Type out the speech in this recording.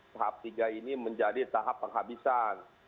tahap tiga ini menjadi tahap penghabisan